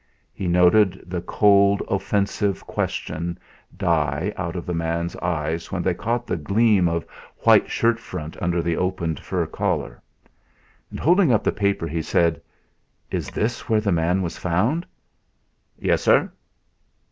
He noted the cold offensive question die out of the man's eyes when they caught the gleam of white shirt front under the opened fur collar. And holding up the paper, he said: "Is this where the man was found?" "Yes, sir."